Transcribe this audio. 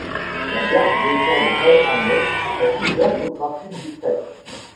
La gare de Cambrai-Annexe est ouverte au trafic du fret.